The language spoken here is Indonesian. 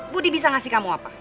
budi bisa ngasih kamu apa